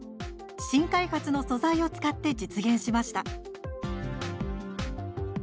新開発の素材を使って実現しました。